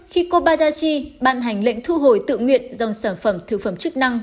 khi kobazachi ban hành lệnh thu hồi tự nguyện dòng sản phẩm thực phẩm chức năng